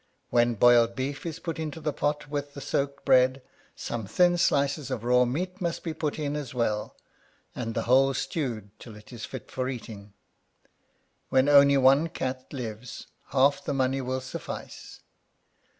When boiled beef is put into the pot with 47 Curiosities of Olden Times the soaked bread, some thin slices of raw meat must be put in as well, and the whole stewed till it is fit for eating. When only one cat lives, half the money will suffice.